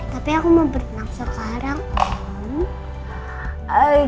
tapi aku mau berenang sekarang